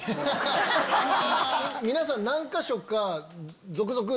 皆さん何か所か。